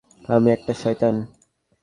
আমি একটা শয়তান।